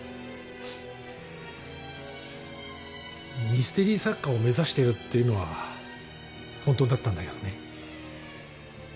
ミステリー作家を目指してるっていうのは本当だったんだけどね。